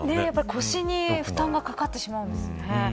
腰に負担がかかってしまうんですね。